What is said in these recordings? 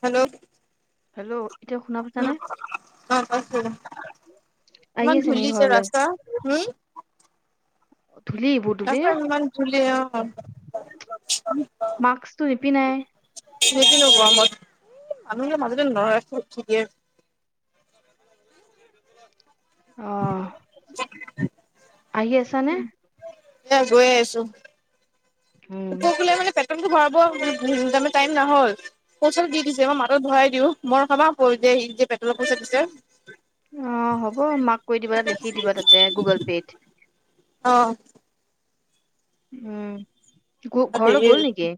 Hello, hello, এতিয়া শুনা পাইছানে? [unintelligible] আহি ইমান আছে নি ধূলি যে ঘৰলৈ? ৰাস্তা হোম। ধূলি বহুত ধূলি। ইমান ধূলি অ মাস্কটো নিপিন্ধাই। বুজি নাই পোৱা মই সেই মানুহে মাজতে নৰয় আকৌ উঠি দিয়ে। অহ আহি আছানে? এ গৈ আছো। উম পোকক লে মানে পেট ভৰাব টাইম নহ'ল পইচাটো দি দিছে মই মাতত ভৰাই দিও মই কামা প্ৰয়ো- সেই যে পেট্ৰলৰ পইচা দিছে। অ হ'ব মাক কৈ দিবা লিখি দিবা তাতে গুগল পে'ত। অ। উম। ঘৰলৈ গ'ল নেকি?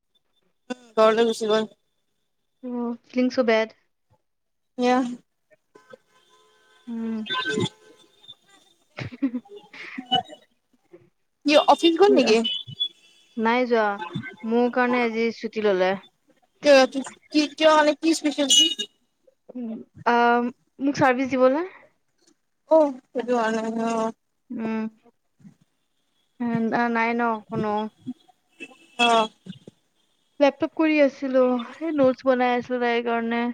উম ঘৰলে গুচি গল। উ ফিলিংছ ছ বেড। এইয়া উম [unintelligible] [inaudible] ই অফিচ গ'ল নেকি? নাই যোৱা। মোৰ কাৰণে আজি ছুটি ললে। কি কিয় মানে কি স্পেচেলটি? আ মোক চাৰ্ভিচ দিবলে। অ, সেইটোকাৰণে অ। উম নাই ন কোনো? অ লেপটপ কৰি আছিলো, এই নোটচ বনাই আছিলো তাইৰ কাৰণে।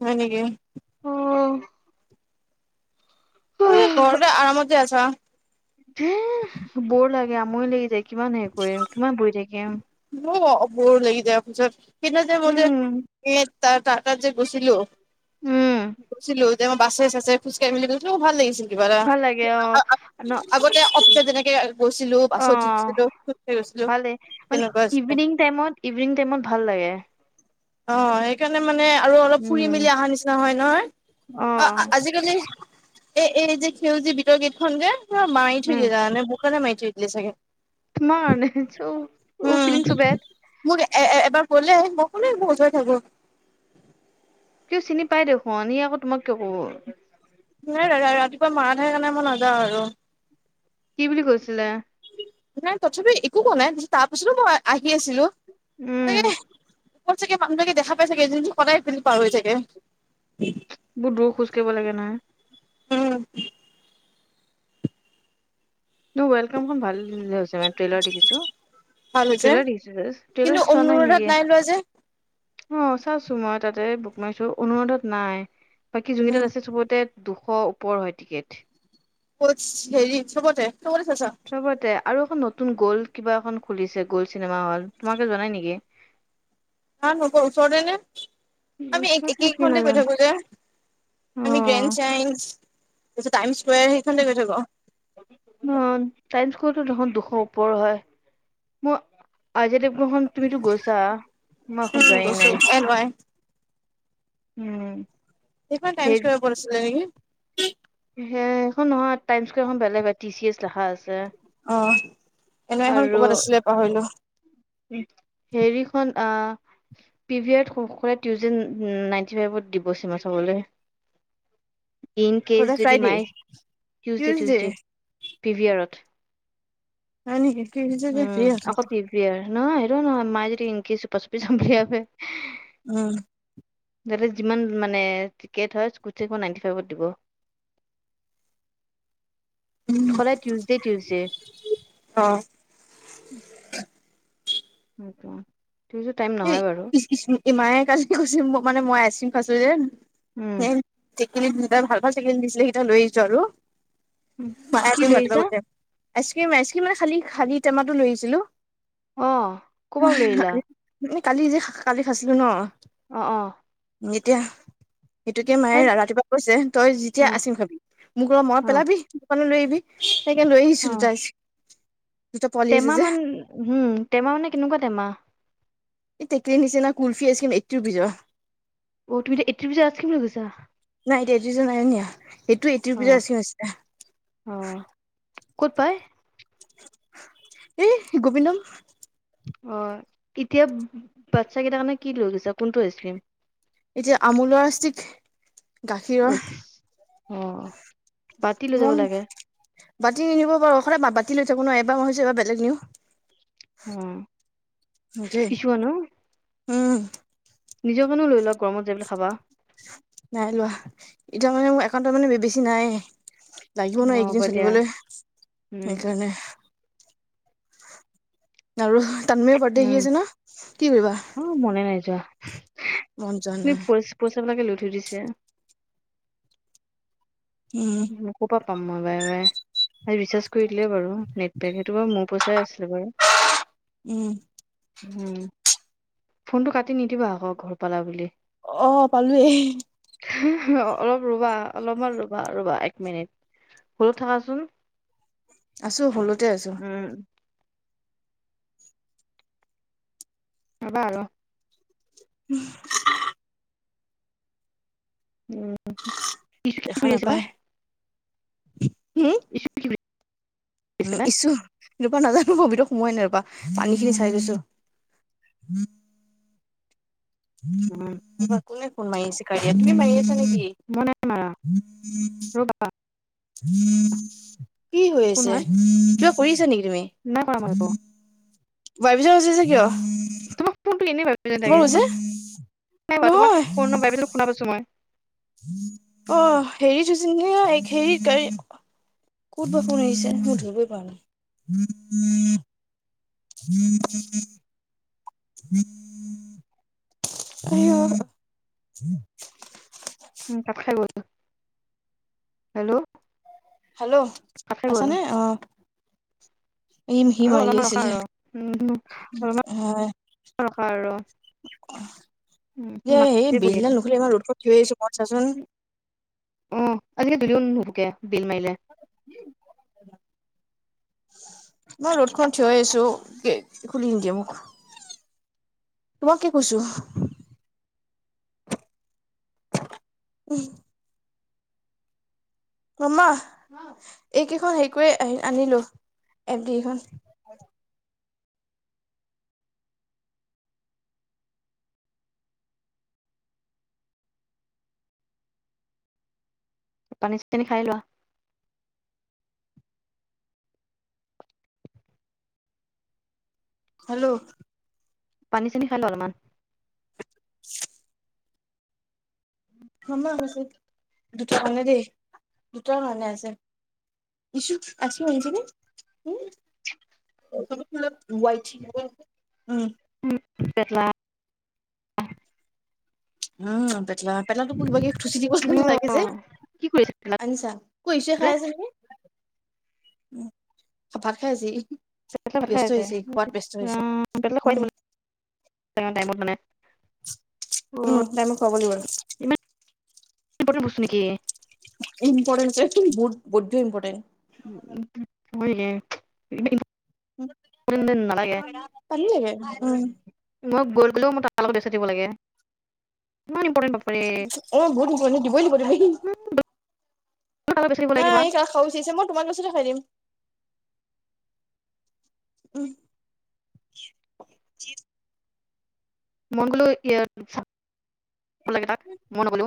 হয় নেকি? অ। হুই ঘৰতে আৰামত যে আছা। ধে বৰ লাগে, আমনি লাগি যায়। কিমান হেৰি কৰিম? কিমান বহি থাকিম? বৰ লাগি যায় অফিচত। পিছত যে মই যে উম এ তাৰ যে গৈছিলো উম গৈছিলো যে মই বাছে ছাছে খোজকাঢ়ি মেলি গৈছিলোঁ ভাল লাগিছিল। কিবা এটা ভাল লাগে অ ন আগতে অ অফিচত যেনে কে গৈছিলো, অ বাছত উঠিছিলো, খোজ কাঢ়ি গৈছিলো ভালে মানে তেনেকুৱা আছিলে ইভিনিং টাইমত, ইভিনিং টাইমত ভাল লাগে। অ সেইকাৰ মানে আৰু অলপ ফুৰি উম মেলি অহা নিচিনা হয় নহয়। অ আজিকালি এ এই যে সেউজী বিতৰ গেট খন যে, কিবা মাৰি থৈ দিলে জানানে? বোৰ কাৰণে মাৰি থৈ দিয়ে চাগে। মানিছোঁ অ উম ফিলিংছ বেড। মোক এ এবাৰ ক'লে হল মই কলো হৈ [unintelligible] কিয় চিনি পাই দেখোন। সি আকৌ তোমাক কিয় ক'ব? নাই দা আৰু ৰাতিপুৱা মাৰা থাকে কাৰণে মই নাযাওঁ আৰু। কি বুলি কৈছিলে? নাই তথাপি একো কোৱা নাই। তাৰ পিছতো মই আহি আছিলো। তাকে উম। ওপৰত চাগে মানুহেবিলাকে দেখা পায় চাগে, এইজনী চোন সদায় এইপিনদি পাৰ হৈ থাকে। বহুত দূৰ খোজ কঢ়িব লাগে নহয়। উম। তোৰ ৱেলকামখন ভাল হৈছে মানে। ট্ৰেইলাৰ দেখিছো। ভাল হৈছে ট্ৰেইলাৰ দেখিছোঁ জাষ্ট। কিন্তু ট্ৰেইলাৰ চোৱা নাই অনুৰাধাত নেকি? লোৱা যে অ চাইছো মই তাতে বুক মাই শ্ব। অনুৰাধাত নাই, বাকী উম যোনকেইটাত আছে চবতে দুশ ওপৰ হয় টিকেট। কত? হেৰি চবতে? তই কৰি চাইছা? চবতে আৰু এখন নতুন গ'ল্ড কিবা এখন খুলিছে, গ'ল্ড চিনেমা হল। তোমালোকে যোৱা নাই নেকি? হা নকৰোঁ। ওচৰতে নে? আমি ওচৰত এক নে একে কি খনতে গৈ নাজানো থাকো যে। আমি অ', গ্ৰেণ্ড চাইন্স, টাইমছ স্কোৱেৰ সেইখনতে গৈ থাকো। অ টাইমছ স্কোৱাৰটো দেখোন দুশৰ ওপৰ হয়। মোৰ আজি খন তুমিতো গৈছে। মই উম এইখন যোৱাই গৈছো নাই। এন ৱাই উম। সেইখন টাইম সেই স্কোৱেৰৰ ওপৰত আছিলে নেকি? সেইখন নহয়। টাইমছ স্কোৱেৰ খন বেলেগ হয়, টি চি এছ লিখা আছে। অ এনেই এখন ক'বাত আছিলে পাহৰিলো। উ হেৰিখন আ পিভিয়েট [unintelligible] দিব চিব চাবলৈ [inaudible] ইন ক'লে কেচ যদি ফ্ৰাইডে মাই টিউচডে টিউজডে টিউচডে পিভিয়েৰট হয় নেকি টিউজডে ফ্ৰী উম আকৌ নাথাকো পিপি আৰু নহ এইটো ন মাই যদি ইংকি চোপা চোপি [unintelligible] উম তাতে যিমান মানে টিকেট হয় [unintelligible] নাইণ্টি ফাইভত দিব উম, [inaudible] সদায় টিউজডে টিউজডে অ সেইটোৱে [unintelligible] কৈছে মানে মই আইচক্ৰীম খাইছো যে উম সেই যোনটাই ভাল ভাল চিকেন দিছিলে সেইটা লৈ আহছো আৰু উম। কি লৈ আহিছা [unintelligible] আইচ ক্ৰীম আইচ ক্ৰীম মানে খালী খালীটেমাতো লৈ আহিছিলো অহ কবাও লৈ আহিলা কালি যে কালি খাইছিলো ন অ অ যেতিয়া সেইটোকে মায়ে খাই ৰাতিপুৱা কৈছে তই অ যেতিয়া আইছক্ৰীম খাবি মোক অলপ মনত অ পেলাবি লৈ আহিবি সেইকাৰণে লৈ অ আহিছোঁ দুটা আইছক্ৰীম। টেমা মান হম টেমা মানে কেনেকুৱা টেমা। এই তোকেই নিচিনা কুলফি আছিলৈ এইটি ৰূপিছ অ তুমি এতিয়া এইট্টি ৰুপিজ আইচক্ৰীম লৈ গৈছা নাই দে দুজন নাই নিয়া। এইটো অ এইট্ৰি ৰূপিছ অ আছি আছিলে ক'ত পাই এ গোবিন্দম অ এতিয়া বাচ্ছা কেইটাৰ কাৰণে কি লৈ গৈছা কোনটো আইচ ক্ৰীম এতিয়া আমোলৰ ছিক বছ অ বাতি লৈ যাব মম লাগে বাতি নি দিব পাৰো সদায় বাতি লৈ থাকো ন এবাৰ ভাবিছো এবাৰ বে লেগ নিউ অ কিচুৱা ন উম নিজৰ কাৰণেও লৈ লোৱা গৰমত যাই পেলাই খাবা নাই লোৱা এতিয়া মানে মোৰ একাউণ্টত মানে বেছি নাই। লাগিব নহ অ হ'ব এইকেইদিন দিয়া চলিবলৈ উম সেইকাৰণে আৰু তানমও বাৰ্থডে আহি উম আছে ন কি কৰিবা অ মনে নাই যোৱা মন যোৱা তুমি নাই পচ পইচাবিলাকে লৈ থৈ দিছে উম উ কপা পাম মই বাৰে বাৰে ৰিচাৰ্জ কৰি দিলে বাৰু নেটপেক সেইটো বাৰু মোৰ পইচাই আছিলে বাৰু উম উম ফোনটো কাটি নিদিবা আকৌ ঘৰ পালা বুলি অ পালোৱেই অলপ ৰবা অলপমান ৰবা ৰবা এক মিনিট হলডট থাকাচোন। আছো হল্ডতে আছো উম ৰবা আৰ উম উ কিছু কি দেখা কৰি আছ বা নাপায় [unintelligible] [unintelligible] আছে উম পেলাই ইছু এনেপা নাজানো মই ভিতৰত সোমোৱাই নাই ৰবা পানী খিনি চাই উম গৈছো। [unintelligible] ৰবা কোনে ফোন মাৰি আছে কাৰয়াত, তুমি মাৰি আছা নিকি? মই নাই মাৰা ই ৰ'বা [unintelligible] কি হৈ কোন আছে, হয় কিবা কৰি আছা নিকি? তুমি, নাই কৰা মই একো ভাইব্ৰেচন হৈছে যে কিয়? তোমাৰ [unintelligible] তোমাৰ নাই গৈছে হোৱা, তোমাৰ নহয় ফোনৰ ভাইব্ৰেচনটো শুনা পাইছো মই। অ', হেৰি থৈছে নিকি আ এক হেৰি ক'ত বা ফোন আহিছে, মই ধৰিবই পাৰা নাই। [unintelligible] [unintelligible] উম, কাত খাই গল। হেল্ল' হেল্ল', কাত খাই আছা গ'ল নে অ? ইম সি আৰু মাৰি অলপমান ৰখা আছিলে, আৰু উম অলপমান হয়। ৰখা আৰু এ উম সেই মাতিছে বহি বেলিদাল নুখৰি ইমান ৰ'দ কত থিয় হৈ আছো মই চাচোন অ', আজিকালি [unintelligible] বেল মাইলে মই ৰ'দখন থিয় আছো, খুলি নিদিয়ে মোক। তোমাক কি কৈছো? উ [unintelligible] মামা, এইকেইখন হেৰি কৰি আ-আনিলো। এফ দিখন পানী-চানী খাই লোৱা। হেল্ল' পানী-চানী খাই লোৱা অলপমান। [unintelligible] মামা হৈছে দুটা কাৰণে দেই, দুটাৰ কাৰণে আছে। ইছু আছো, [unintelligible] এইজনী উম [unintelligible] ৱাইট, উম। [unintelligible] উম, পেটলা পেটলাটোক কোনোবাই কি থুচি দিব যেন লাগে যে। কি কৰিছে পেটলা আনিছা, কইচে খাই পেটলা আছে নেকি। উম, ভাত খাই আছি। পেটলা ভাত খাই আছে। উম, পেটলা খোৱাই উম দিব টাইমত মানে। অ উম, ত‌ই মোক খোৱাব লাগিব। ইমান [unintelligible] বস্তু নিকি? ইম্পৰ্টেট তোৰ, বহুত বৈদ ইম্পৰ্টেণ্ট। হয় ৰে। এইবিলাক ইম্পৰ পলিয়ে গে, উম। মই গ'ল গ'লেও মই তাৰ লগত ব্যস্ত থাকিব লাগে ইমান ইম অ', গনি গনি দিবই লাগিব তুমি। তাৰ লগত ব্যস্ত থাকিব লাগে কিবা নাই খা উচিছে, মই তোমাৰ পিছতে খাই দিম। উম। মন গলো এইয়াত ভ লাগে তাত, ময়ো নগলো।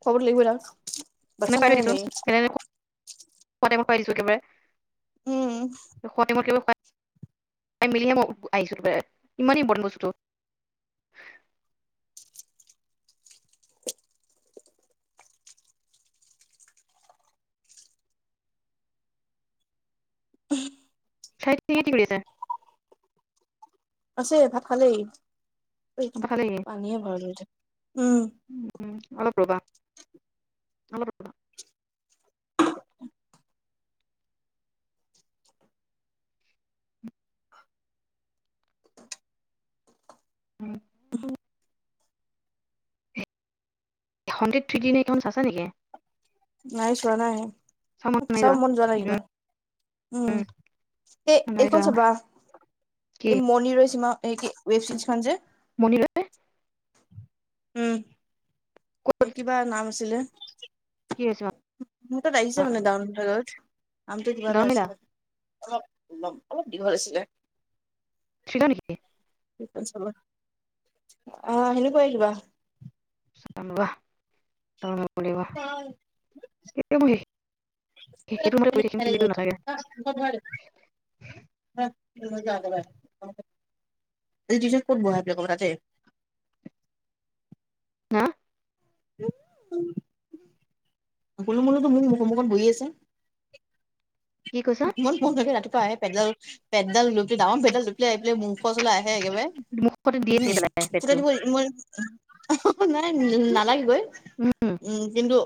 খোৱাবটো লাগিব না, বাচ্ছা নহয় জানো ই। খোৱাতে মই খাই দিছো একেবাৰে, উম খোৱাতে মোক খাই মেলিহে মই আহিছোঁ যে, ইমানেই ইম্পৰ্টেণ্ট বস্তুটো। [unintelligible] [unintelligible] [unintelligible] কি কৰি আছে? আছে ভাত খালেই ঐ পানীয়ে ভৰালো এতিয়া উম উম অলপ ৰবা অলপ ৰবা [unintelligible] হণ্ড্ৰেড থ্ৰিকিনেশন [unintelligible] খন আছে নেকি নাই চোৱা নাই চব মন যোৱা নাই কিবা উম এ নাই এইখন যোৱা চাবা কি এই মণি ৰয় চিমা ৱেব চিৰিজ খন যে মনি ৰয় উম এ ক'ত কিবা নাম আছিলে কি হৈছে মোৰ তাত আহিছে মানে ডাউন ঘৰত নামটো কিবা এটা গৰমিলা আছিলে অলপ অলপ দীঘল আছিলে। [unintelligible] অ সেনেকুৱাই কিবা চাম ৰবা ডাওলত কৰিব লাগিব [unintelligible] [unintelligible] [unintelligible] [unintelligible] [unintelligible] হ [unintelligible] উম [inaudible] গোলোমুলুতো মোৰ মুখমুখত বহি আছে [unintelligible] কি কৈছা [unintelligible] ইোৰ মন লাগে ৰাতিপুৱা আহে পেদল পেডল লুপি ডাঙৰ পেদল লুপলি আহি পেলাই মুখৰ ওচলে আহে [unintelligible] আহে একেবাৰে মুখতে [unintelligible] দিয়ে চাগে পেলাই পেটটো উম মোৰ নাই নালাগে গৈ [unintelligible] উম কিন্তু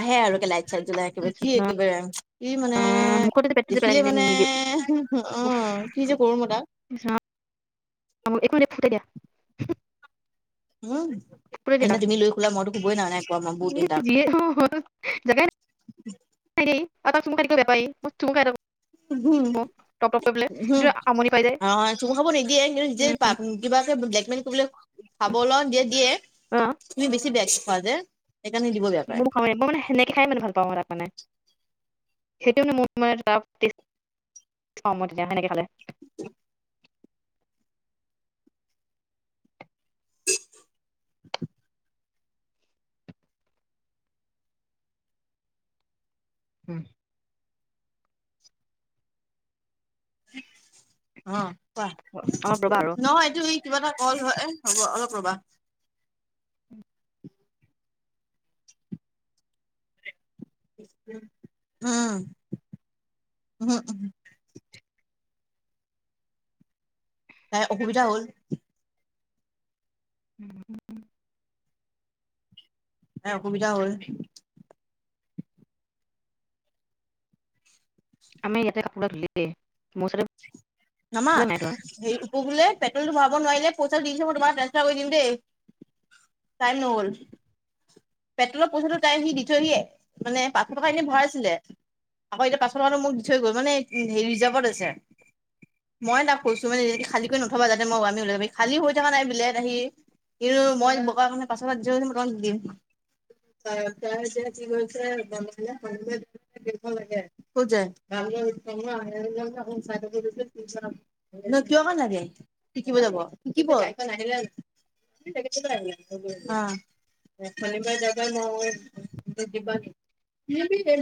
আহে আৰু কে লাইট চাইট জ্বলাই একেবাৰে কি একেবাৰে কি মানে [unintelligible] মুখতে পেটটো যে পেলাই দেখিলে মানে নিদিয়ে অ উফ কি যে কৰো মই তাক অ একো নাই ফোটাই দিয়া [unintelligible] উ [unintelligible] ফোটাই দিয়া তাক বহুত দিন তাক যিয়ে হ'ল হক জেগাই নাই [unintelligible] [unintelligible] হম টপ টপ কৰি পেলাই [unintelligible] হম সেইটো আমনি পাই যায় অ চুম খাব নিদিয়ে কিন্তু নি কিবাকে [unintelligible] মানে কি বোলে খাব লা দিয়ে দিয়ে অ তুমি বেছি বেয়া খোৱা যে সেইকাৰণে দিব বেয়া পায় ময়ো খাৱে মই মানে সেনেকে খাই মানে ভাল পাওঁ তাত মানে [unintelligible] সেইটো মোৰ মই তেতিয়া সেনেকে খালে [unintelligible] [unintelligible] হম অ কোৱা অলপ ৰ'বা আৰু নহয় এইটো কিবা এটা কল হয় হ'ব অলপ ৰ'বা উম উম উম [unintelligible] তাই অসুবিধা হ'ল উম [inaudible] তাই অসুবিধা হয় আমি ইয়াতে কপোৰা ধুলে মোৰ ওচতে [unintelligible] নমা হে উপ বোলে পেট্ৰলটো ভৰাব নোৱাৰিলে প‌ইচি দিছে মই তোমাক টানঞ্জপাৰ কৰি দিম দেই টাইম নহ'ল [unintelligible] পেট্ৰলৰ পইচাটো টাইম সি দি থহিয়ে মানে পাঁচশ টকা এনে ভৰাছিলে [unintelligible] আকৌ এতিয়া পাঁছশ টকাটো মোক দি থৈ গ'ল মানে হেৰি ৰিজাৰ্ভত আছে [unintelligible] মই তাক কৈছো মানে খালিকৈ নথবা যাতে মই বামি ওলাব খালী হৈ থকা নাই বোলে আহি [unintelligible] কিন্ত মই বগা কাৰণে পাছশ টকা যি লৈছোঁ তোমাৰ দিম [unintelligible] [inaudible] [unintelligible] যে কি কৰিছে দে লাগে [unintelligible] কিহ কাৰণে লাগে শিকিব যাব শিকিব এখন আহিলে অ ভালিবা জাগা ন দিবা [unintelligible]